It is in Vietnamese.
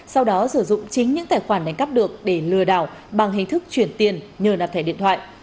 sau đó sử dụng chính những tài khoản đánh cắp được để lừa đảo bằng hình thức chuyển tiền nhờ đặt thẻ điện thoại